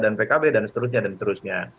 dan pkb dan seterusnya dan seterusnya